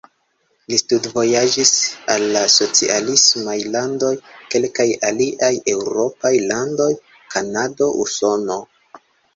Li studvojaĝis al la socialismaj landoj, kelkaj aliaj eŭropaj landoj, Kanado, Usono.